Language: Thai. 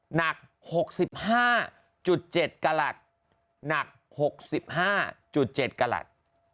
หนัก๖๕๗กรัต